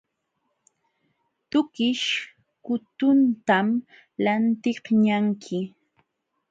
Tukish kutuntam lantiqñanki.